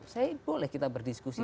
saya boleh kita berdiskusi